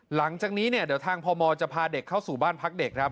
หลังจากนี้เนี่ยเดี๋ยวทางพมจะพาเด็กเข้าสู่บ้านพักเด็กครับ